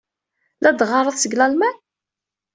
La d-teɣɣareḍ seg Lalman?